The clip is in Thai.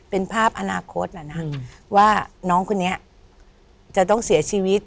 เป็นภาพอนาคตนะว่าน้องคนนี้จะต้องเสียชีวิต